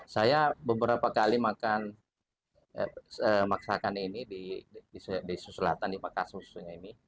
saya beberapa kali makan maksakan ini di susulatan di makassar susulnya ini